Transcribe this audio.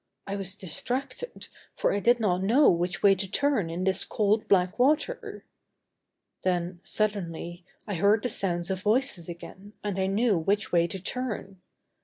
I was distracted, for I did not know which way to turn in this cold, black water. Then, suddenly, I heard the sounds of voices again and I knew which way to turn.